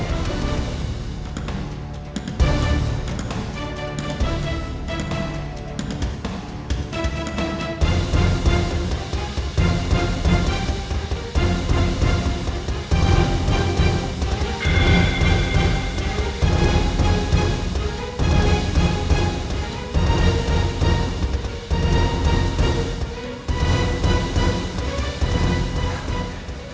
fotonya ada di sini